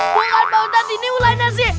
bukan pak ustadz ini ulannya sih